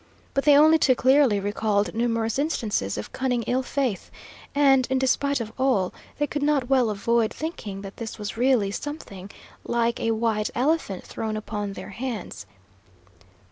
But they only too clearly recalled numerous instances of cunning ill faith, and, in despite of all, they could not well avoid thinking that this was really something like a white elephant thrown upon their hands.